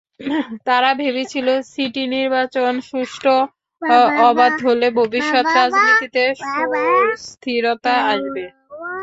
তারা ভেবেছিল, সিটি নির্বাচন সুষ্ঠু, অবাধ হলে ভবিষ্যৎ রাজনীতিতে সুস্থিরতা আসবে।